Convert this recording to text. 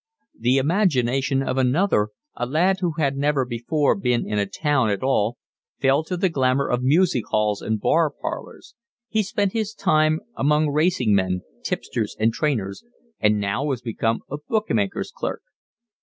The imagination of another, a lad who had never before been in a town at all, fell to the glamour of music halls and bar parlours; he spent his time among racing men, tipsters, and trainers, and now was become a book maker's clerk.